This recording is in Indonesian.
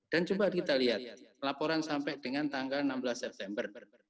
dan coba kita lihat laporan sampai dengan tanggal enam belas september